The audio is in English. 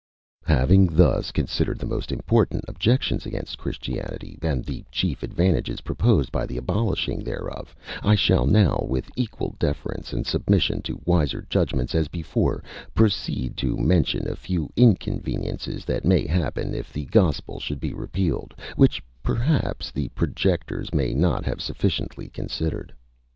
Having thus considered the most important objections against Christianity, and the chief advantages proposed by the abolishing thereof, I shall now, with equal deference and submission to wiser judgments, as before, proceed to mention a few inconveniences that may happen if the Gospel should be repealed, which, perhaps, the projectors may not have sufficiently considered.